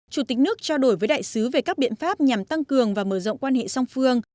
chủ tịch nước trao đổi với đại sứ về các biện pháp nhằm tăng cường và mở rộng quan hệ song phương